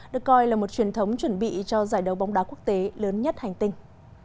được coi là một truyền thống chuẩn bị cho giải đấu bóng đá quốc tế lớn nhất hành tinh